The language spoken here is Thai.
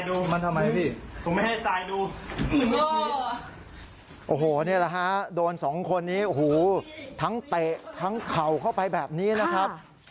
โอ้โหนี่แหละฮะโดนสองคนนี้โอ้โหทั้งเตะทั้งเข่าเข้าไปแบบนี้นะครับ